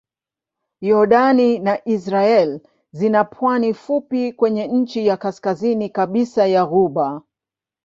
Yordani na Israel zina pwani fupi kwenye ncha ya kaskazini kabisa ya ghuba.